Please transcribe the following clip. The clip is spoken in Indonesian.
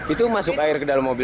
itu masuk air ke dalam mobil